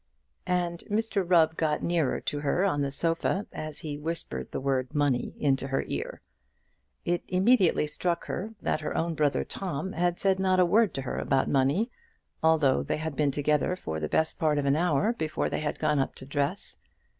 And Mr Rubb got nearer to her on the sofa as he whispered the word money into her ear. It immediately struck her that her own brother Tom had said not a word to her about the money, although they had been together for the best part of an hour before they had gone up to dress.